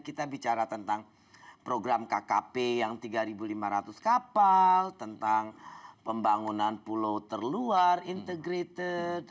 kita bicara tentang program kkp yang tiga lima ratus kapal tentang pembangunan pulau terluar integrated